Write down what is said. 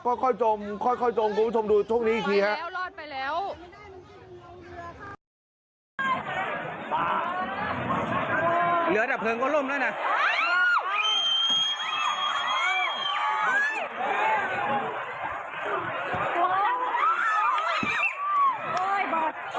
ค่อยจมค่อยจมคุณผู้ชมดูช่วงนี้อีกทีครับ